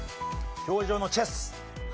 氷上のチェス。